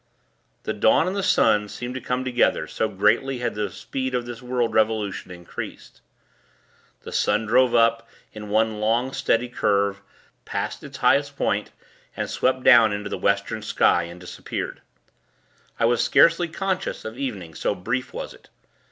The dawn and the sun seemed to come together, so greatly had the speed of the world revolution increased. The sun drove up, in one long, steady curve; passed its highest point, and swept down into the Western sky, and disappeared. I was scarcely conscious of evening, so brief was it.